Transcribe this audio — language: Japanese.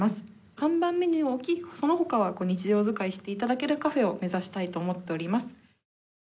看板メニューをおきそのほかは日常づかいしていただけるカフェを目指したいと思っております